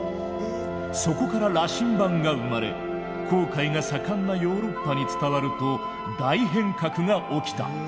そこから羅針盤が生まれ航海が盛んなヨーロッパに伝わると大変革が起きた。